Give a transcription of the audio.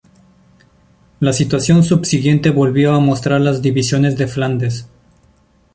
La situación subsiguiente volvió a mostrar las divisiones de Flandes.